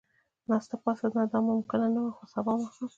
ناسته پاسته، نه دا ممکنه نه وه، خو سبا ماښام.